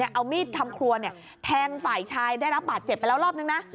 เอามีดทำครัวแทงฝ่ายชายได้รับบาดเจ็บไปแล้วรอบนึงนะ